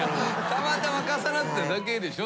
たまたま重なっただけでしょ。